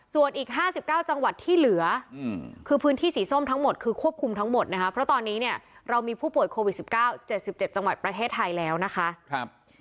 ส่วนอีก๕๙จังหวัดที่เหลือคือพื้นที่สีส้มทั้งหมดคือควบคุมทั้งหมดนะคะเพราะตอนนี้เนี่ยเรามีผู้ป่วยโควิด๑๙๗๗จังหวัดประเทศไทยแล้วนะคะ